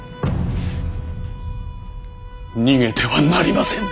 逃げてはなりません。